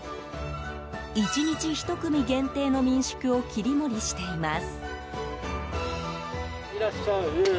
１日１組限定の民宿を切り盛りしています。